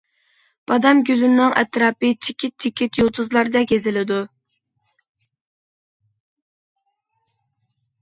بادام گۈلىنىڭ ئەتراپى چېكىت- چېكىت يۇلتۇزلاردەك بېزىلىدۇ.